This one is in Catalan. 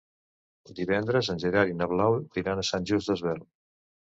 Divendres en Gerard i na Blau iran a Sant Just Desvern.